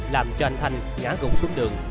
làm cho anh thành ngã gũ xuống đường